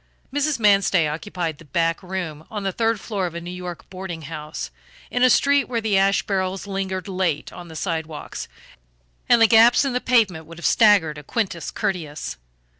Mrs. Manstey occupied the back room on the third floor of a New York boarding house, in a street where the ash barrels lingered late on the sidewalk and the gaps in the pavement would have staggered a Quintus Curtius.